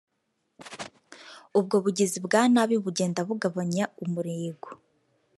ubwo bugizi bwa nabi bugenda bugabanya umurego